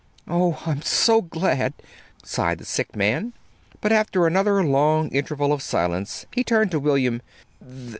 "Oh, I'm so glad," sighed the sick man. After another long interval of silence he turned to William.